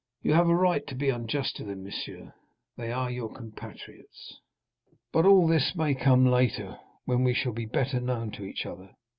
"You have a right to be unjust to them, monsieur; they are your compatriots." "But all this may come later, when we shall be better known to each other.